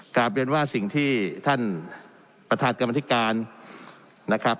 กลับเรียนว่าสิ่งที่ท่านประธานกรรมธิการนะครับ